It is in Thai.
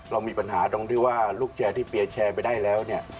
เรามีปัญหาตรงที่ว่าลูกแชร์ที่เปียร์แชร์ไปได้แล้วเนี่ย